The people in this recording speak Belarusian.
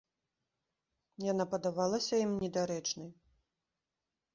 Яна падавалася ім недарэчнай.